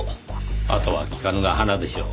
あとは聞かぬが花でしょう。